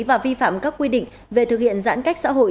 và vi phạm các quy định về thực hiện giãn cách xã hội